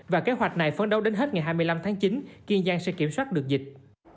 và kế hoạch này phấn đấu đến hết ngày hai mươi năm tháng chín kiên giang sẽ kiểm soát được dịch